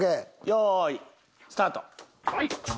用意スタート。